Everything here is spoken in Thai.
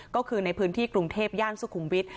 ก็คือในพื้นที่กรุงเทพย่านสุขุมวิทย